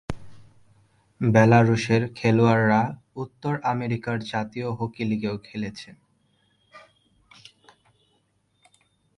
বেলারুশের খেলোয়াড়রা উত্তর আমেরিকার জাতীয় হকি লীগেও খেলেছেন।